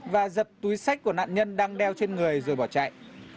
và giật túi sách của nạn nhân đang đeo trên người rồi bỏ chạy